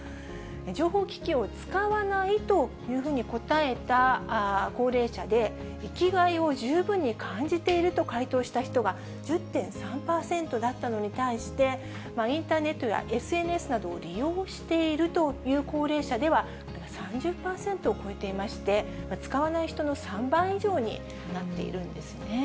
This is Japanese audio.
情報機器を使わないというふうに答えた高齢者で、生きがいを十分に感じていると回答した人が１０．３％だったのに対して、インターネットやＳＮＳなどを利用しているという高齢者では、これが３０％を超えていまして、使わない人の３倍以上になっているんですね。